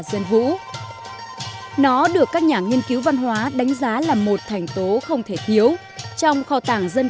dân vũ nó được các nhà nghiên cứu văn hóa đánh giá là một thành tố không thể thiếu trong kho tàng dân